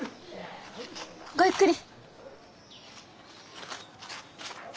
ごゆっくり。